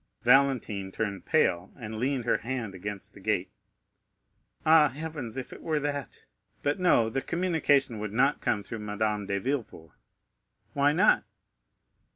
Valentine turned pale, and leaned her hand against the gate. "Ah heavens, if it were that! But no, the communication would not come through Madame de Villefort." "Why not?"